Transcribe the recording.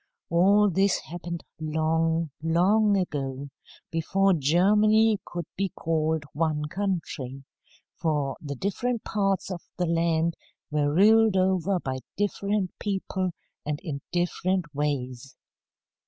All this happened long, long ago, before Germany could be called one country, for the different parts of the land were ruled over by different people and in different ways.